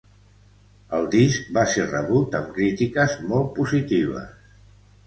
El disc va ser rebut amb crítiques molt positives.